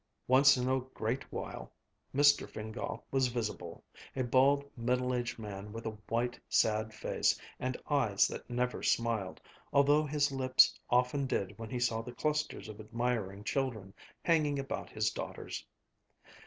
Once in a great while Mr. Fingál was visible, a bald, middle aged man with a white, sad face, and eyes that never smiled, although his lips often did when he saw the clusters of admiring children hanging about his daughters.